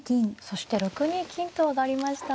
そして６二金と上がりました。